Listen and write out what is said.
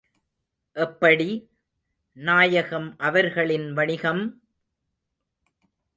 எப்படி, நாயகம் அவர்களின் வணிகம்!